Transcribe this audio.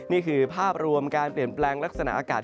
นี่คือภาพรวมการเปลี่ยนแปลงลักษณะอากาศ